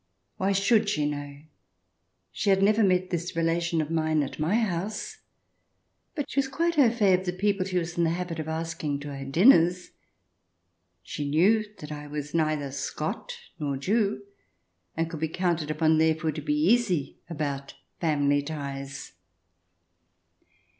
Why should she know ? She had never met this relation of mine at my house. But she was, of course, quite au fait of the people she was in the habit of asking to her dinners ; she knew that I was neither Scot nor Jew, and could be counted upon, therefore, to be easy about family ties.